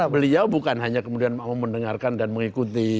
beliau bukan hanya kemudian mau mendengarkan dan mengikuti